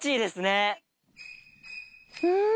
うん。